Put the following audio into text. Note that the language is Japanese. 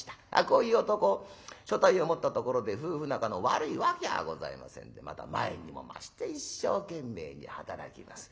こういう男所帯を持ったところで夫婦仲の悪いわけがございませんでまた前にも増して一生懸命に働きます。